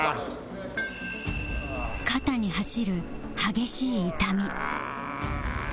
肩に走る激しい痛み